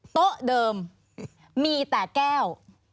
โต๊ะเดิมมีแต่แก้ว